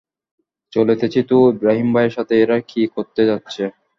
চলতেছি তো ইব্রাহীম ভাইয়ের সাথে এরা কী করতে যাচ্ছে?